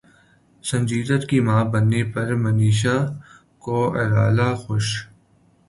سنجے دت کی ماں بننے پرمنیشا کوئرالا خوش